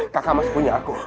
kakak masih punya aku